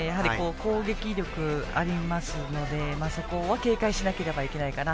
攻撃力がありますのでそこは警戒しなければいけないかな。